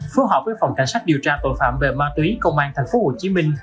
phù hợp với phòng cảnh sát điều tra tội phạm về ma túy công an thành phố hồ chí minh